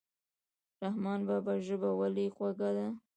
د رحمان بابا ژبه ولې خوږه ده.